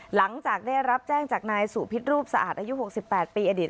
หลังจากได้รับแจ้งจากนายสุพิษรูปสะอาดอายุ๖๘ปีอดีต